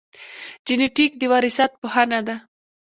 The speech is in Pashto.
جینېټیک د وراثت پوهنه ده